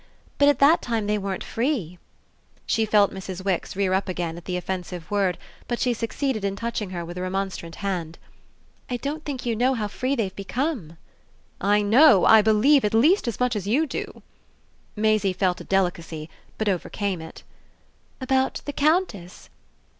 But at that time they weren't free." She felt Mrs. Wix rear up again at the offensive word, but she succeeded in touching her with a remonstrant hand. "I don't think you know how free they've become." "I know, I believe, at least as much as you do!" Maisie felt a delicacy but overcame it. "About the Countess?"